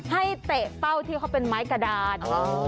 เตะเป้าที่เขาเป็นไม้กระดาน